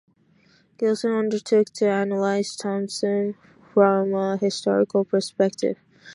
Gilson undertook to analyze Thomism from a historical perspective.